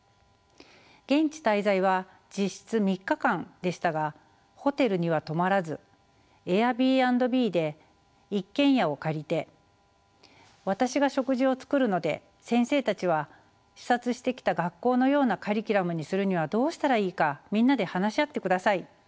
現地滞在は実質３日間でしたがホテルには泊まらずＡｉｒｂｎｂで一軒家を借りて「私が食事を作るので先生たちは視察してきた学校のようなカリキュラムにするにはどうしたらいいかみんなで話し合ってください。